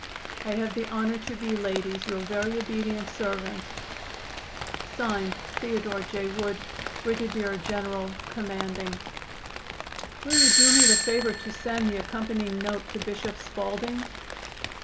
"I have the honor to be, ladies, your very obedient servant, Th. J. Wood, "Brigadier General Commanding." "Will you do me the favor to send the accompanying note to Bishop Spalding?"